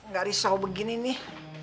gak risau begini nih